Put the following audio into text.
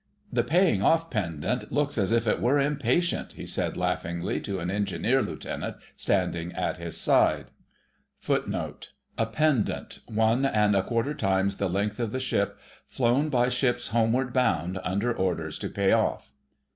"The paying off pendant[#] looks as if it were impatient," he said laughingly to an Engineer Lieutenant standing at his side. [#] A pendant, one and a quarter times the length of the ship, flown by ships homeward bound under orders to pay off.